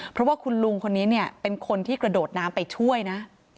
เพราะว่าคุณลุงคนนี้เนี่ยเป็นคนที่กระโดดน้ำไปช่วยนะ